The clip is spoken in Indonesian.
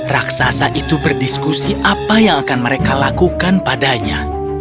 raksasa itu berdiskusi apa yang akan mereka lakukan padanya